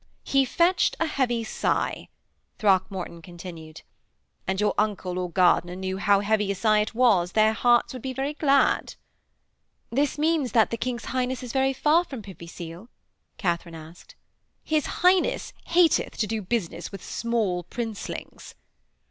'He fetched a heavy sigh,' Throckmorton continued. 'And your uncle or Gardiner knew how heavy a sigh it was their hearts would be very glad.' 'This means that the King's Highness is very far from Privy Seal?' Katharine asked. 'His Highness hateth to do business with small princelings.'